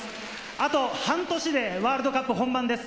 あと半年でワールドカップ本番です。